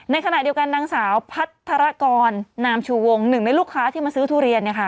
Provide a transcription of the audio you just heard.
ในขณะเดียวกันนางสาวพัทรกรนามชูวงหนึ่งในลูกค้าที่มาซื้อทุเรียนเนี่ยค่ะ